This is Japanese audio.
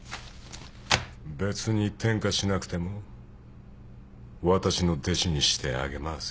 別に転科しなくてもわたしの弟子にしてあげますよ。